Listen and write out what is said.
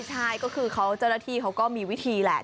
ใช่ก็คือเจ้าหน้าที่เขาก็มีวิธีแหละ